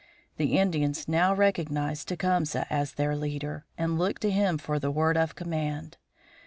The Indians now recognized Tecumseh as their leader, and looked to him for the word of command.